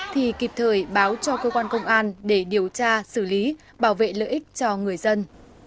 thì kịp thời báo cho cơ quan công an để điều tra xử lý bảo vệ lợi ích cho người dân